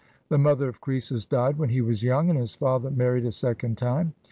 The mother of Croesus died when he was young, and his father married a second time.